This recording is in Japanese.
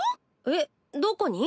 えっどこに？